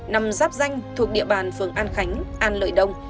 nằm giáp danh thuộc địa bàn phường an khánh an lợi đông